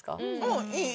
うんいい。